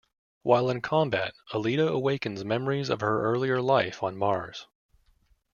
While in combat, Alita awakens memories of her earlier life on Mars.